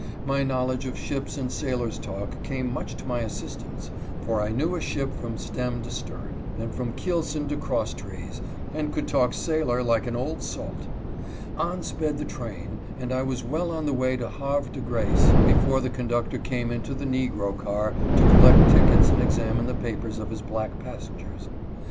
My knowledge of ships and sailor's talk came much to my assistance, for I knew a ship from stem to stern, and from keelson to cross trees, and could talk sailor like an "old salt." On sped the train, and I was well on the way to Havre de Grace before the conductor came into the negro car to collect tickets and examine the papers of his black passengers.